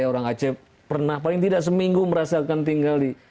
orang aceh pernah paling tidak seminggu merasakan tinggal di